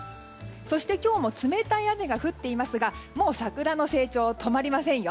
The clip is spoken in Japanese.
そして、今日も冷たい雨が降っていますがもう桜の成長は止まりませんよ。